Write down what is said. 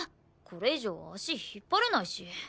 これ以上足引っ張れないし。